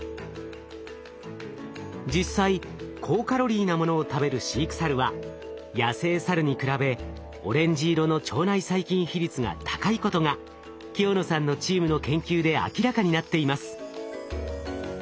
実際高カロリーなものを食べる飼育サルは野生サルに比べオレンジ色の腸内細菌比率が高いことが清野さんのチームの研究で明らかになっています。